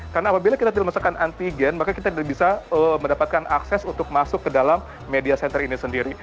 karena apabila kita dilaksanakan antigen maka kita bisa mendapatkan akses untuk masuk ke dalam media center ini sendiri